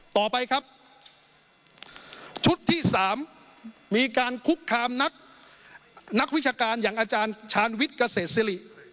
ต่อไปครับชุดที่๓มีการคุกคามนักวิชาการอย่างอาจารย์ชาญวิทย์เกษตรสิริ